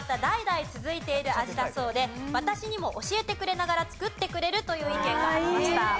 代々続いている味だそうで私にも教えてくれながら作ってくれるという意見がありました。